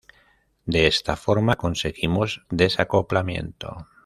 De esta forma, conseguimos desacoplamiento.